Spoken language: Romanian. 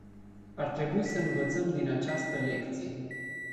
Ar trebui să învățăm din această lecție.